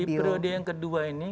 di periode yang kedua ini